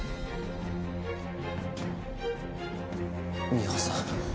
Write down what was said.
美穂さん。